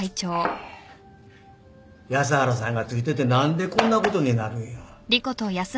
安原さんが付いてて何でこんなことになるんや。